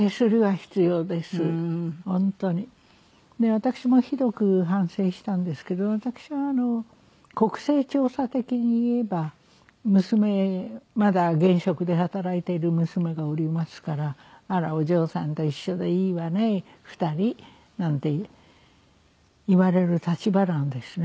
私もひどく反省したんですけど私は国勢調査的に言えば娘まだ現職で働いている娘がおりますから「あらお嬢さんと一緒でいいわね２人」なんて言われる立場なんですね。